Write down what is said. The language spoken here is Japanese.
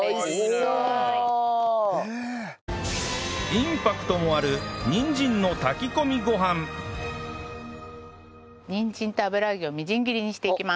インパクトもあるにんじんと油揚げをみじん切りにしていきます。